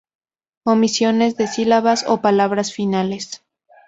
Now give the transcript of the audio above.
Omisiones de sílabas o palabras finales.